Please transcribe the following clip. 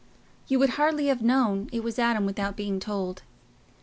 You would hardly have known it was Adam without being told.